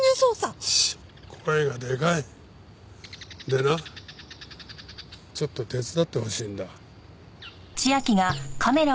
でなちょっと手伝ってほしいんだ。